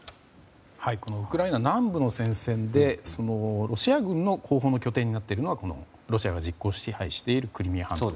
このウクライナ南部の戦線でロシア軍の後方の拠点になっているのがロシアが実効支配しているクリミア半島。